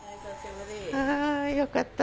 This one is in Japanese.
あよかった。